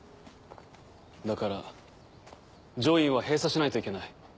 だから『ジョイン』は閉鎖しないといけない。